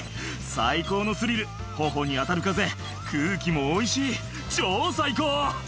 「最高のスリル頬に当たる風空気もおいしい超最高！」